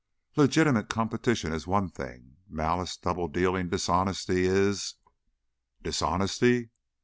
"Legitimate competition is one thing; malice, double dealing, dishonesty is " "Dishonesty?"